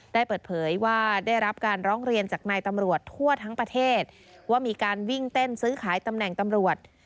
ได้เปิดเผยว่าได้รับการร้องเรียนจากนายตำรวจทั่วทั้งประเทศว่ามีการวิ่งเต้นซื้อขายตำแหน่งตำรวจ